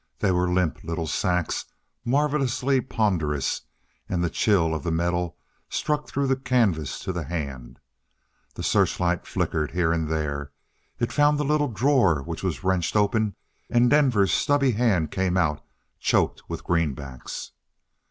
They were limp little sacks, marvellously ponderous, and the chill of the metal struck through the canvas to the hand. The searchlight flickered here and there it found the little drawer which was wrenched open and Denver's stubby hand came out, choked with greenbacks.